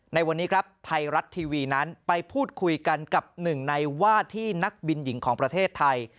ในวันนี้ครับไทยรัฐทีวีนั้นไปพูดคุยกันกับหนึ่งในว่าที่นักบินหญิงของประเทศไทย